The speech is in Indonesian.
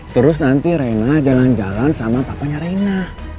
terus nanti rena jalan jalan sama papanya rena